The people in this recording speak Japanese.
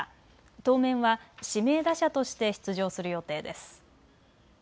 当面は指名打者として出場する予定です。